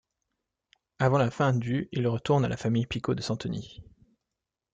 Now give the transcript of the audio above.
Avant la fin du il retourne à la famille Picot de Santeny.